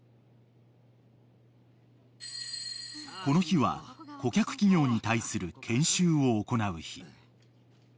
［この日は顧客企業に対する研修を行う日］